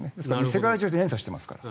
世界中で連鎖していますから。